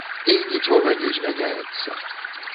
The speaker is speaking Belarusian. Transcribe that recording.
І нічога не змяняецца!